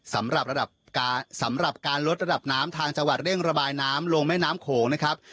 สำหรับระดับสำหรับการลดระดับน้ำทางจังหวัดเร่งระบายน้ำลงแม่น้ำโขงนะครับ